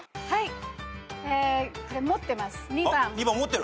はい。